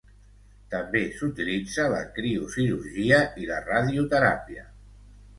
També s'utilitza la criocirurgia i la radioteràpia.